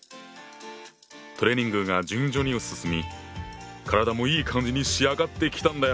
トレーニングが順調に進み体もいい感じに仕上がってきたんだよ。